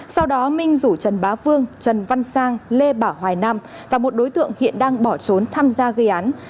sau đó minh rủ trần bá vương trần văn sang lê bảo hoài nam và một đối tượng hiện đang bỏ trốn tham gia gây án